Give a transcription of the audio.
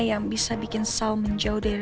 yang bisa bikin saung menjauh dari